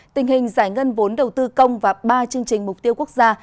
tình hình giải ngân vốn đầu tư công và ba chương trình mục tiêu quốc gia